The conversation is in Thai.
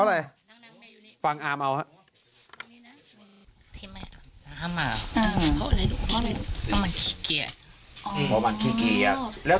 แล้วทุกคนอ้าวขอโทษคนที่ใครครับคนที่ใครนี่